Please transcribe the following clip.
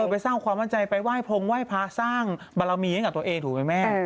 ไปสร้างความมั่นใจไปไหว้พงไหว้พระสร้างบารมีให้กับตัวเองถูกไหมแม่